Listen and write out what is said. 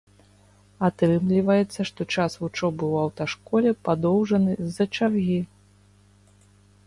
Атрымліваецца, што час вучобы ў аўташколе падоўжаны з-за чаргі.